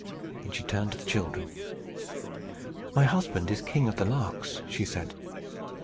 Then she turned to the children. "My husband is King of the Larks," she said.